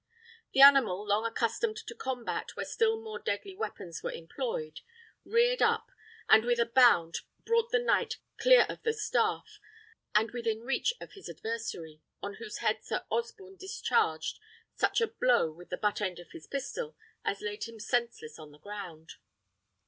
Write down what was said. The animal, long accustomed to combat where still more deadly weapons were employed, reared up, and with a bound brought the knight clear of the staff, and within reach of his adversary, on whose head Sir Osborne discharged such a blow with the butt end of his pistol as laid him senseless on the ground.